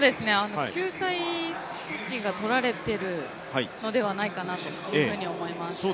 救済措置が執られているのではないかというふうに思います。